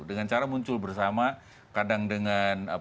dengan cara muncul bersama kadang dengan